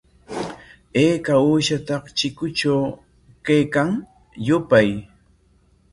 ¿Ayka uushata chikutraw kaykan? Yupay.